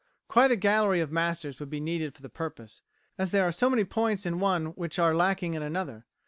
Quite a gallery of masters would be needed for the purpose, as there are so many points in one which are lacking in another.